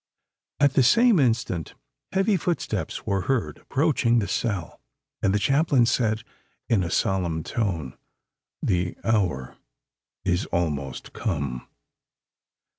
At the same instant heavy footsteps were heard approaching the cell; and the chaplain said in a solemn tone, "The hour is almost come!"